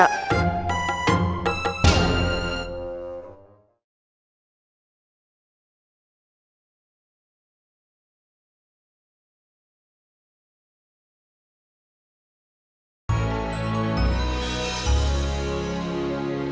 aku akan jadi juara